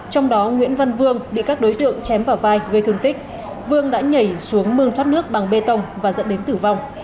trong đó nguyễn văn vương bị các đối tượng chém vào vai gây thương tích vương đã nhảy xuống mương thoát nước bằng bê tông và dẫn đến tử vong